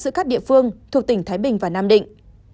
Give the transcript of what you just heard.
giữa các địa phương thuộc tỉnh thái bình và nam định